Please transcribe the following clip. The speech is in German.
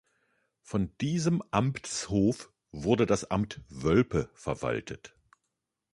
Von diesem Amtshof wurde das Amt Wölpe verwaltet.